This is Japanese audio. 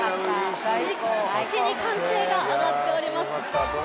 ・一気に歓声が上がっております